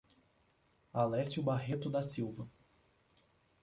Alecio Barreto da Silva